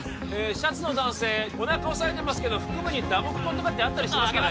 シャツの男性おなか押さえてますけど腹部に打撲痕とかってあったりしますかね？